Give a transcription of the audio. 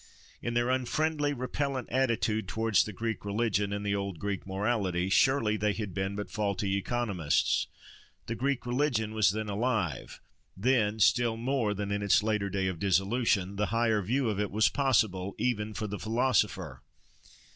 In their unfriendly, repellent attitude towards the Greek religion, and the old Greek morality, surely, they had been but faulty economists. The Greek religion was then alive: then, still more than in its later day of dissolution, the higher view of it was possible, even for the philosopher.